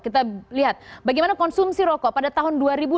kita lihat bagaimana konsumsi rokok pada tahun dua ribu dua puluh